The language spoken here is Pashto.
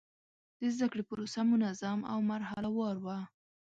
د زده کړې پروسه منظم او مرحله وار وه.